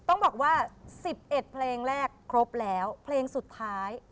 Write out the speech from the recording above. ต้องบอกว่า๑๑เพลงแรกครบแล้วเพลงสุดท้าย